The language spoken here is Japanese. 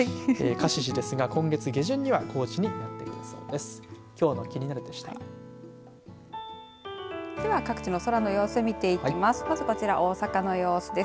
カシシですが、今月下旬には高知に戻ってくるそうです。